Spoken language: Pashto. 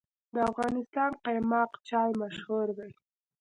د افغانستان قیماق چای مشهور دی